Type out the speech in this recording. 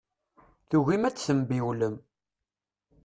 Tugim ad tembiwlem.